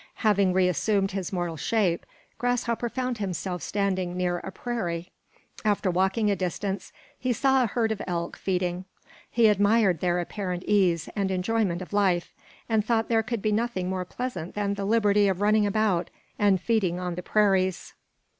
Having reassumed his mortal shape, Grasshopper found himself standing near a prairie. After walking a distance, he saw a herd of elk feeding. He admired their apparent ease and enjoyment of life, and thought there could be nothing more pleasant than the liberty of running about and feeding on the prairies.